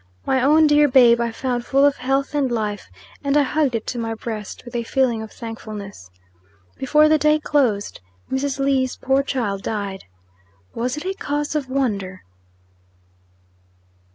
My own dear babe I found full of health and life; and I hugged it to my breast with a feeling of thankfulness. Before the day closed, Mrs. Lee's poor child died. Was it a cause of wonder?